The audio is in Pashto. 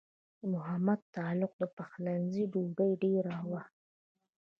د محمد تغلق د پخلنځي ډوډۍ ډېره وه.